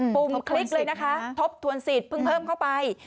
ุ่มคลิกเลยนะคะทบทวนสิทธิเพิ่งเพิ่มเข้าไป